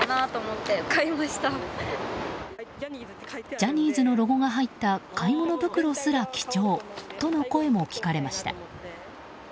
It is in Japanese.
ジャニーズのロゴが入った買い物袋すら貴重との声も聞かれました。